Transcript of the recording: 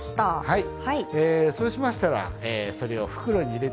はい。